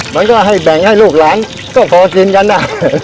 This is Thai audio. มันก็ให้แบ่งให้ลูกหลานก็พอกินกันนะ